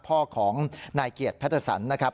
พ่อของนายเกียรติแพทสันนะครับ